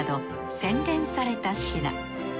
洗練された品。